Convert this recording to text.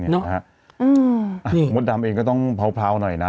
เนี่ยค่ะอืมมดดำเองก็ต้องเผาเผาหน่อยนะ